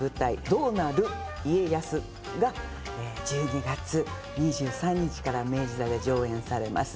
『どうな・る家康』が１２月２３日から明治座で上演されます。